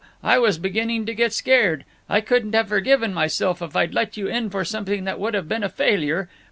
I was beginning to get scared. I couldn't have forgiven myself if I'd let you in for something that would have been a failure.